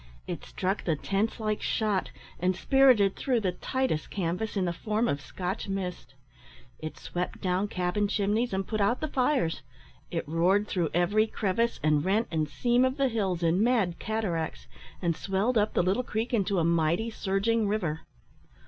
It struck the tents like shot, and spirted through the tightest canvas in the form of Scotch mist. It swept down cabin chimneys, and put out the fires; it roared through every crevice, and rent and seam of the hills in mad cataracts, and swelled up the Little Creek into a mighty surging river.